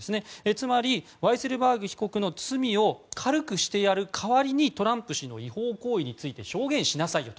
つまり、ワイセルバーグ被告の罪を軽くしてやる代わりにトランプ氏の違法行為について証言しなさいよと。